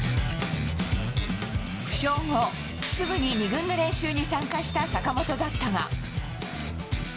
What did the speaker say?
負傷後、すぐに２軍で練習に参加した坂本だったが。